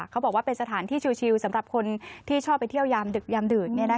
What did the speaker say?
เขาบอกว่าเป็นสถานที่ชิลสำหรับคนที่ชอบไปเที่ยวยามดึกยามดื่น